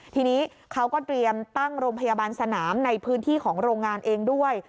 ทีนี้เขาก็เตรียมตั้งโรงพยาบาลสนามในพื้นที่ของโรงงานเองด้วย